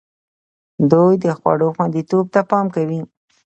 دوی د خوړو خوندیتوب ته پام کوي.